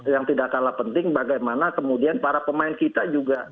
yang tidak kalah penting bagaimana kemudian para pemain kita juga